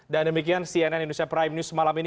dan demikian cnn indonesia prime news malam ini